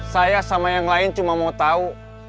saya sama yang lain cuma mau tahu